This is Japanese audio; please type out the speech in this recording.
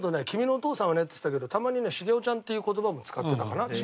「君のお父さんはね」っつってたけどたまにね「茂雄ちゃん」っていう言葉も使ってたかな？